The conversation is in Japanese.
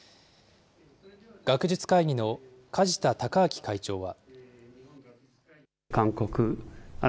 学術会議の梶田隆章会長は。